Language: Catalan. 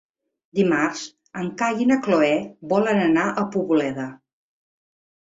Dimarts en Cai i na Cloè volen anar a Poboleda.